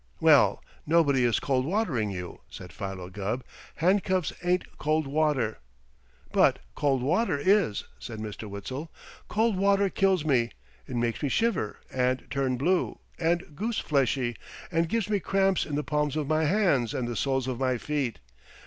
"Well, nobody is cold watering you," said Philo Gubb. "Handcuffs ain't cold water." "But cold water is," said Mr. Witzel. "Cold water kills me! It makes me shiver, and turn blue, and goose fleshy, and gives me cramps in the palms of my hands and the soles of my feet.